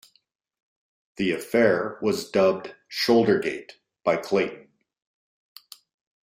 The affair was dubbed "Shouldergate" by Clayton.